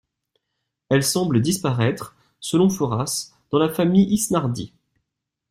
Elle semble disparaitre, selon Foras, dans la famille Isnardi.